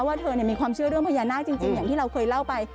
ว่าเธอมีความเชื่อเรื่องพญานาคจริงอย่างที่เราเคยเล่าไป